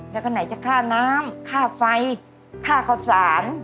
แล้วก็ไหนจะค่าน้ำค่าไฟค่าข้าวสาร